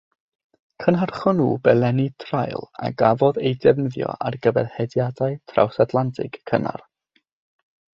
Cynhyrchon nhw belenni traul a gafodd eu defnyddio ar gyfer hediadau trawsatlantig cynnar.